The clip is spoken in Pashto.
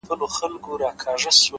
د زده کړې سفر هېڅ پای نه لري!.